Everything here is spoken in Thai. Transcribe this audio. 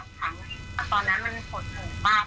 ก็คือตัดสายอาจารย์ก็ตัดสายอาทิตย์ถึง๓ครั้ง